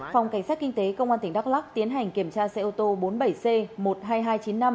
phòng cảnh sát kinh tế công an tỉnh đắk lắc tiến hành kiểm tra xe ô tô bốn mươi bảy c một mươi hai nghìn hai trăm chín mươi năm